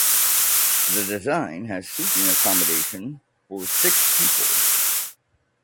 The design has sleeping accommodation for six people.